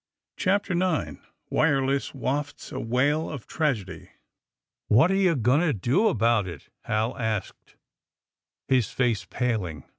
CHAPTER IX WIRELESS WAFTS A WAIL OF TRAGEDY TT 7 HAT are you going to do about it?*' Hal asked, his face paling.